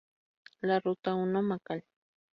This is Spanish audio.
La Ruta I Mcal.